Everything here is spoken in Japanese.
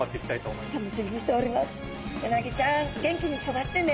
うなぎちゃん元気に育ってね！